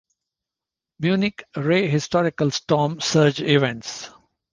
Munich Re Historical storm surge events.